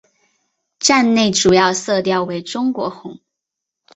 站内主要色调为中国红。